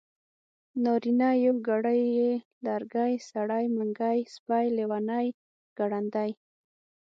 نارينه يوګړی ی لرګی سړی منګی سپی لېوانی ګړندی